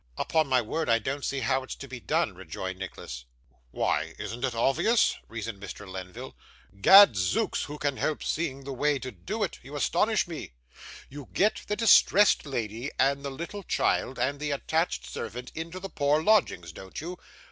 'Upon my word I don't see how it's to be done,' rejoined Nicholas. 'Why, isn't it obvious?' reasoned Mr. Lenville. 'Gadzooks, who can help seeing the way to do it? you astonish me! You get the distressed lady, and the little child, and the attached servant, into the poor lodgings, don't you?